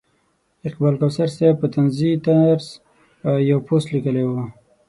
اقبال کوثر صاحب په طنزي طرز یو پوسټ لیکلی و.